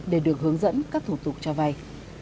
để được hướng dẫn các thủ tục cho vay